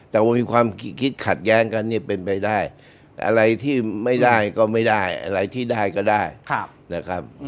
แต่ว่ามีความคิดขัดแย้งกันเนี่ยเป็นไปได้อะไรที่ไม่ได้ก็ไม่ได้อะไรที่ได้ก็ได้นะครับ